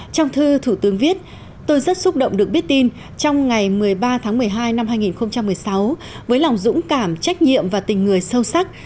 trong thư thủ tướng viết tôi rất xúc động được biết tin trong ngày một mươi ba tháng một mươi hai năm hai nghìn một mươi sáu với lòng dũng cảm trách nhiệm và tình người sâu sắc